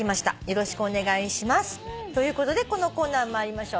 よろしくお願いします」ということでこのコーナー参りましょう。